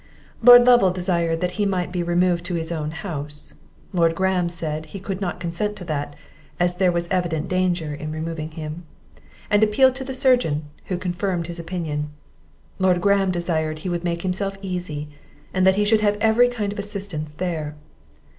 Lord Lovel desired that he might be removed to his own house. Lord Graham said, he could not consent to that, as there was evident danger in removing him; and appealed to the surgeon, who confirmed his opinion. Lord Graham desired he would make himself easy, and that he should have every kind of assistance there.